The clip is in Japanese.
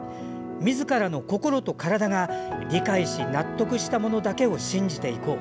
みずからの心と体が理解し納得したものだけを信じていこう。